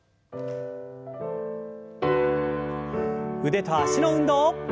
腕と脚の運動。